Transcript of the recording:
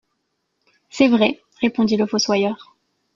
C’est vrai, répondit le fossoyeur.